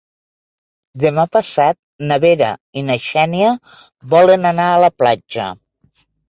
Demà passat na Vera i na Xènia volen anar a la platja.